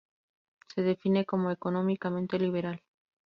Se define como económicamente liberal.